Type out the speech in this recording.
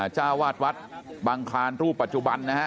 จ้าวาดวัดบังคลานรูปปัจจุบันนะฮะ